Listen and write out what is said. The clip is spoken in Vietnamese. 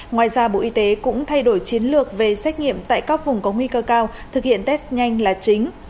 ngoài ra bộ y tế cũng thay đổi chiến lược về xét nghiệm tại các vùng có nguy cơ cao thực hiện test nhanh là chính